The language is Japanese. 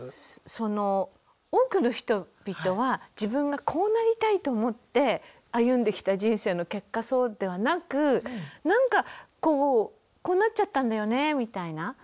その多くの人々は自分がこうなりたいと思って歩んできた人生の結果そうではなくなんかこうこうなっちゃったんだよねみたいな。